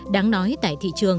đáng nói tại thị trường